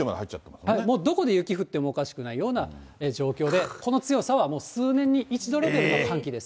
もうどこで雪降ってもおかしくないような状況で、この強さは、もう数年に一度レベルの寒気です。